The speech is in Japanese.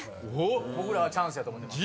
僕らはチャンスやと思ってます。